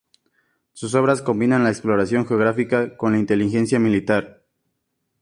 Sus obras combinan la exploración geográfica con la inteligencia militar.